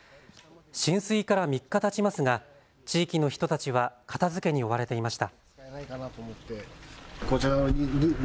浸水から３日たちますが地域の人たちは片づけに追われていました。